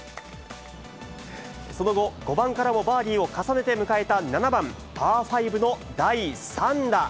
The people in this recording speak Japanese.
その後、５番からもバーディーを重ねて迎えた、７番パーファイブの第３打。